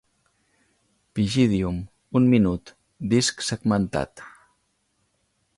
Pygidium: un minut, disc segmentat.